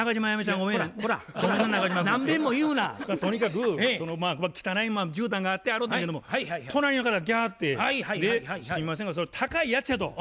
とにかくその汚いじゅうたんがあって洗うたけども隣の方が来はって「すいませんがそれ高いやつや」と。